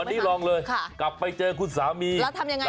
วันนี้ลองเลยค่ะกลับไปเจอคุณสามีแล้วทำยังไง